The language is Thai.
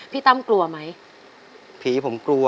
พี่ตั้มกลัวไหม